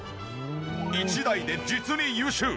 １台で実に優秀！